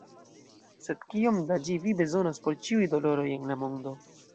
Sed kiom da ĝi Vi bezonos por ĉiuj doloroj en la mondo?